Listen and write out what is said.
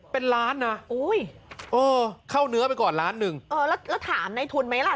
เป็นล้านนะโอ้ยเออเข้าเนื้อไปก่อนล้านหนึ่งเออแล้วแล้วถามในทุนไหมล่ะ